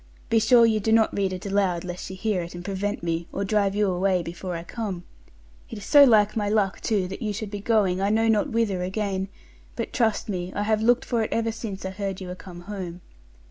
Be sure you do not read it aloud, lest she hear it, and prevent me, or drive you away before I come. It is so like my luck, too, that you should be going I know not whither again; but trust me, I have looked for it ever since I heard you were come home.